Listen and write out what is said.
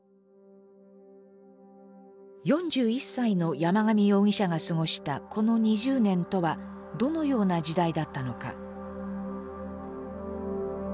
４１歳の山上容疑者が過ごしたこの２０年とはどのような時代だったのか。